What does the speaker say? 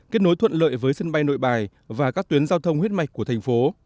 kết nối thuận lợi với sân bay nội bài và các tuyến giao thông huyết mạch của thành phố